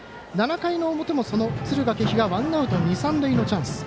７回の表も、敦賀気比がワンアウト、二塁三塁のチャンス。